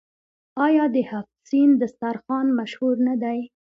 آیا د هفت سین دسترخان مشهور نه دی؟